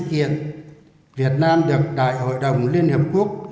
và đặc biệt hai cái sự kiện việt nam được đại hội đồng liên hiệp quốc